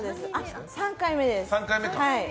３回目です。